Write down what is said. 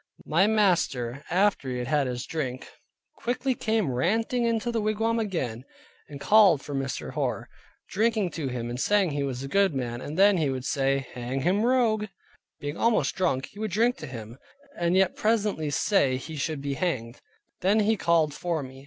My master after he had had his drink, quickly came ranting into the wigwam again, and called for Mr. Hoar, drinking to him, and saying, he was a good man, and then again he would say, "hang him rogue." Being almost drunk, he would drink to him, and yet presently say he should be hanged. Then he called for me.